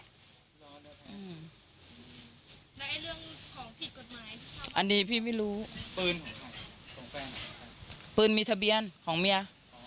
ในเรื่องของผิดกฎหมายอันนี้พี่ไม่รู้ปืนปืนมีทะเบียนของเมีย